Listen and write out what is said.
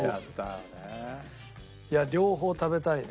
いや両方食べたいね。